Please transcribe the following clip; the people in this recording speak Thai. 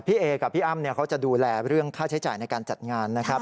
เอกับพี่อ้ำเขาจะดูแลเรื่องค่าใช้จ่ายในการจัดงานนะครับ